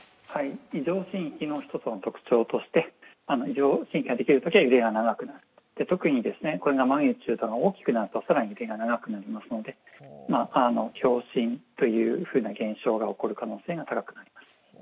異常震域の１つの特徴として、異常震域ができるときは揺れが長くなる、特にこれがマグニチュードが大きくなると更に揺れが長くなりますので、強震というふうな現象が起こる可能性が高くなります。